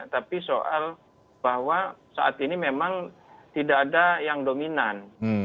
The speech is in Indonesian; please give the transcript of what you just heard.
tapi soal bahwa saat ini memang tidak ada yang dominan